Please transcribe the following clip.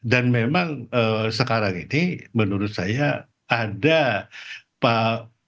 dan memang sekarang ini menurut saya ada pak jokowi